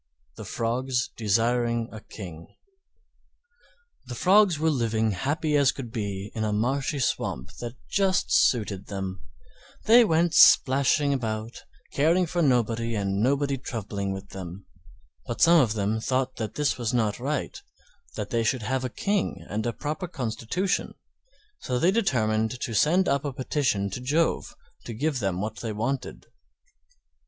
THE FROGS DESIRING A KING The Frogs were living as happy as could be in a marshy swamp that just suited them; they went splashing about caring for nobody and nobody troubling with them. But some of them thought that this was not right, that they should have a King and a proper constitution, so they determined to send up a petition to Jove to give them what they wanted.